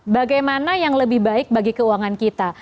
bagaimana yang lebih baik bagi keuangan kita